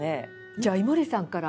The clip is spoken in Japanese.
じゃあ井森さんから。